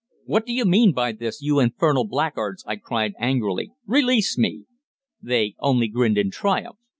"What do you mean by this, you infernal blackguards!" I cried angrily. "Release me!" They only grinned in triumph.